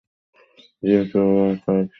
James উপসাগরে কয়েকশ নদী পতিত হয়েছে।